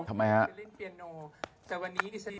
ทำไมครับ